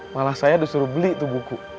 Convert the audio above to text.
malah saya disuruh beli tuh buku